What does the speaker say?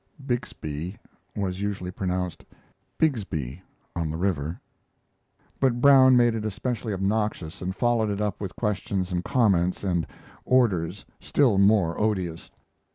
"Bixby" was usually pronounced "Bigsby" on the river, but Brown made it especially obnoxious and followed it up with questions and comments and orders still more odious.